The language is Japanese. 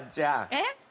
えっ？